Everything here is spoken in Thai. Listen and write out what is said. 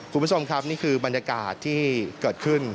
คุณผู้ชมครับนี่คือบรรยากาศที่เกิดขึ้น